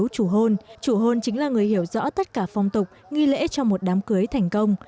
chủ hôn chính là người hiểu rõ tất cả phong tục nghi lễ cho một đám cưới thành công